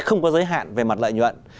không có giới hạn về mặt lợi nhuận